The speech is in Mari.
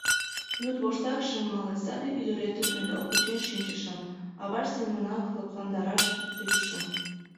Йӱдвоштак шым мале, саде ӱдыретым ӧндал кучен шинчышым, аваж семынак лыпландараш тӧчышым.